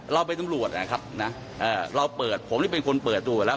เราเป็นตำรวจนะครับนะเราเปิดผมนี่เป็นคนเปิดดูอยู่แล้ว